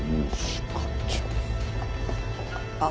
あっ。